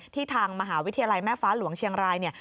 ทางมหาวิทยาลัยแม่ฟ้าหลวงเชียงรายเนี่ย